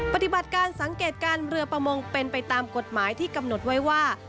ปฏิบัติการสังเกตการเรือประมงเป็นไปตามกฎหมายที่กำหนดไว้ว่า